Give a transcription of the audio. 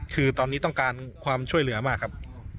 คือตอนนี้ต้องการความช่วยเหลือมากครับ